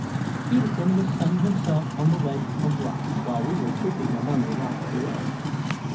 Peterkin was sunning himself on the ledge of rock, while we were creeping among the rocks below.